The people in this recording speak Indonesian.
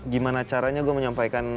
gimana caranya gue menyampaikan